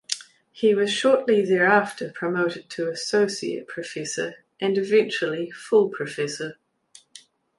He was shortly thereafter promoted to associate professor and eventually Full professor.